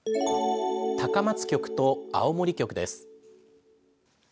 高松局と青森局です。